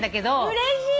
うれしい！